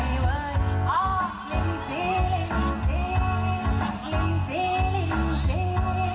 อยากกินตลิดรึอบ